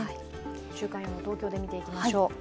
週間予報、東京で見ていきましょう。